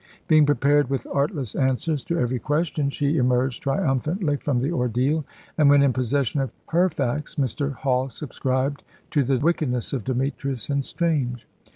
Being prepared with artless answers to every question, she emerged triumphantly from the ordeal, and when in possession of her facts, Mr. Hall subscribed to the wickedness of Demetrius and Strange.